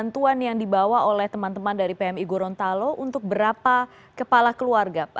bantuan yang dibawa oleh teman teman dari pmi gorontalo untuk berapa kepala keluarga pak